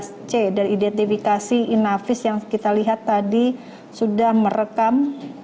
ini adegan enam belas c dari identifikasi inafis yang kita lihat tadi sudah merekam